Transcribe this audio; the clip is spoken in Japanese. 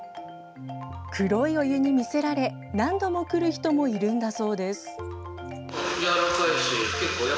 黒いお湯に魅せられ何度も来る人もいるんだそうです。